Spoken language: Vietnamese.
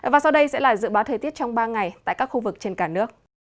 và sau đây sẽ là dự báo thời tiết trong ba ngày tại các khu vực trên cả nước